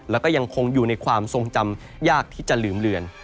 แล้วก็ยังคงอยู่ในความทรงจำยากที่จะลืมเลือน